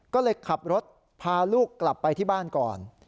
ก็เลยขับรถพาลูกกลับไปที่บ้านก่อน